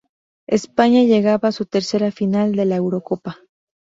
España llegaba a su tercera final de la Eurocopa.